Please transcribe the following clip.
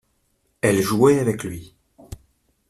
Elle jouait avec lui.